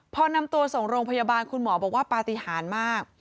พอนำตัวส่งโรงพยาบาลคุณหมอบอกว่าปฏิหารมาก